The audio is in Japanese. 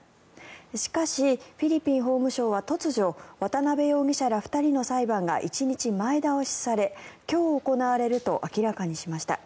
しかし、フィリピン法務省は突如、渡邉容疑者ら２人の裁判が１日前倒しされ、今日行われると明らかにしました。